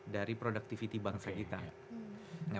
dari productivity bangsa kita